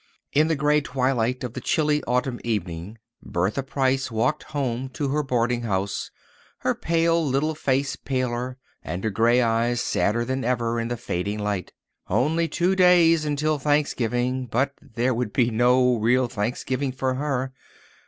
In the grey twilight of the chilly autumn evening Bertha Price walked home to her boarding house, her pale little face paler, and her grey eyes sadder than ever, in the fading light. Only two days until Thanksgiving—but there would be no real Thanksgiving for her.